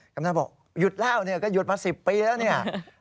กำลังบอกหยุดแล้วก็หยุดมา๑๐ปีแล้วเนี่ย